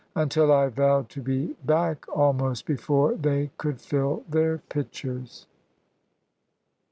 Until I vowed to be back almost before they could fill their pitchers.